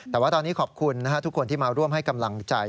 แต่ว่าตอนนี้ขอบคุณทุกคนที่มาร่วมให้กำลังใจ